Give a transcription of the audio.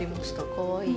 かわいい。